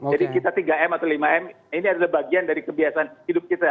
jadi kita tiga m atau lima m ini adalah bagian dari kebiasaan hidup kita